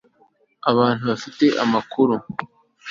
abantu bafite amakuru